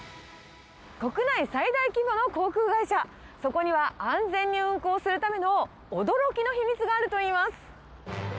国内最大規模の航空会社、そこには安全に運航するための驚きの秘密があるといいます。